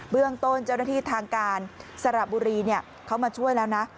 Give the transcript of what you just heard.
เรื่องต้นเจ้าหน้าที่ทางการสระบุรีเขามาช่วยแล้วนะ